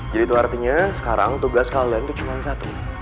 jadi itu artinya sekarang tugas kalian itu cuma satu